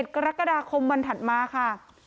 กรกฎาคมวันถัดมาค่ะ